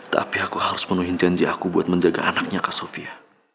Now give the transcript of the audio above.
tapi aku harus menuhi janji aku buat menjaga anaknya kak sofia